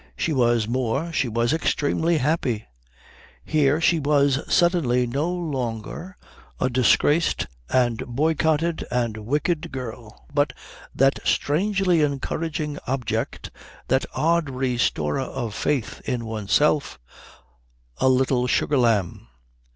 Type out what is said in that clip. She was more, she was extremely happy. Here she was suddenly no longer a disgraced and boycotted and wicked girl, but that strangely encouraging object, that odd restorer of faith in oneself, a Little Sugar Lamb.